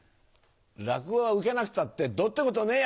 落語がウケなくたってどうってことねえや！